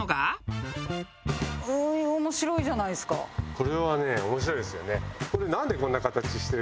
これはね面白いですよね。